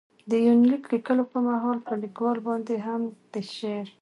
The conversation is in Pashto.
دې يونليک ليکلو په مهال، په ليکوال باندې هم د شعر.